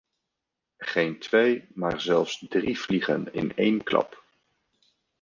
Geen twee, maar zelfs drie vliegen in één klap.